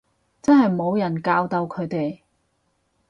真係冇人教到佢哋